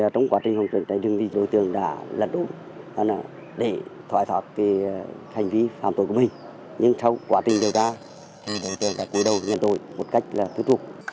trong quá trình hồng truyền cháy rừng đối tượng đã lật úp để thoải thoát hành vi phạm tội của mình nhưng sau quá trình điều tra đối tượng đã cúi đầu với nhân tội một cách là thứ thuộc